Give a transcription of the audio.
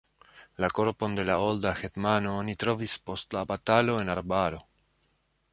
La korpon de la olda hetmano oni trovis post la batalo en arbaro.